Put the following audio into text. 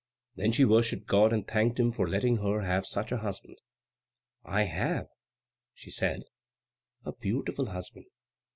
Then she worshipped God and thanked him for letting her have such a husband. "I have," she said, "a beautiful husband.